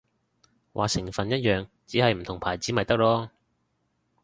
話成分一樣，只係唔同牌子咪得囉